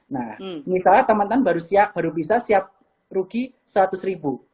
nah misalnya teman teman baru bisa siap rugi seratus ribu